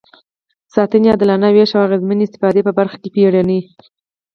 ساتنې، عادلانه وېش او اغېزمنې استفادې په برخه کې بیړني.